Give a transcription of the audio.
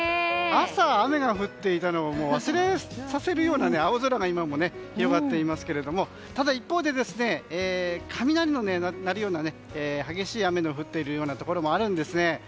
朝、雨が降っていたのを忘れさせるような青空が今も広がっていますけれどもただ一方で雷のなるような激しい雨の降っているところもあるんですね。